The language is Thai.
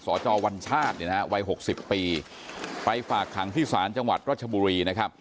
สจวัญชาติวัย๖๐ปีไปฝากขังที่ศาลจังหวัดรัชบุรี